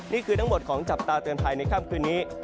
นี่คือทั้งหมดของจับตาเตือนภัยในค่ำคืนนี้